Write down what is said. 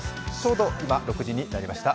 ちょうど今、６時になりました。